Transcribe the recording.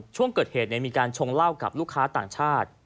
ช่วงเกิดเหตุมีการชงเหล้ากับลูกค้าต่างชาติ